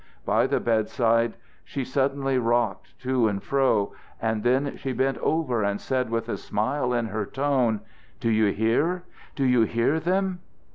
By the bedside she suddenly rocked to and fro, and then she bent over and said with a smile in her tone: "_Do you hear? Do you hear them?